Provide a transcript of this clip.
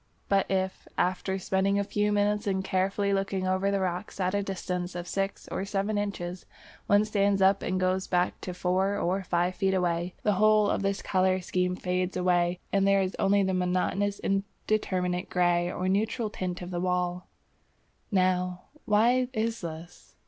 But if, after spending a few minutes in carefully looking over the rocks at a distance of six or seven inches, one stands up and goes back to four or five feet away, the whole of this colour scheme fades away and there is only the monotonous indeterminate grey or neutral tint of the wall. Now why is this?